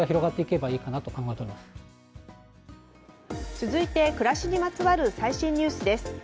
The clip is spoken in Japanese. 続いて、暮らしにまつわる最新ニュースです。